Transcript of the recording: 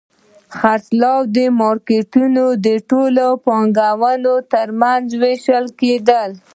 د خرڅلاو مارکېټونه د ټولو پانګوالو ترمنځ وېشل کېدل